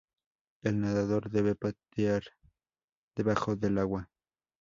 El nadador debe patear debajo del agua.